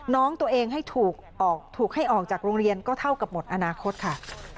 น้องตัวเองให้ถูกให้ออกจากโรงเรียนก็เท่ากับหมดอนาคตค่ะ